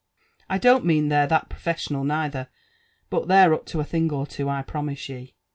I don't mean they're that professional neither; but they're up to a thing or two, I promise ye."